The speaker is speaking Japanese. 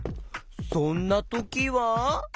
そんなときは。